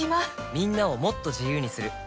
みんなをもっと自由にする「三菱冷蔵庫」